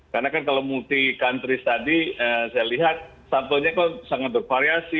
karena kalau multi country study saya lihat sampelnya sangat bervariasi